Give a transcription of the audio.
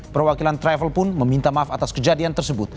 perwakilan travel pun meminta maaf atas kejadian tersebut